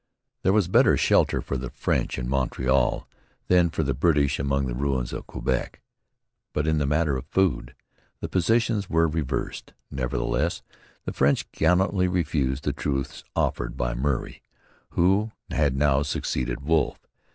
There was better shelter for the French in Montreal than for the British among the ruins of Quebec. But in the matter of food the positions were reversed. Nevertheless the French gallantly refused the truce offered them by Murray, who had now succeeded Wolfe.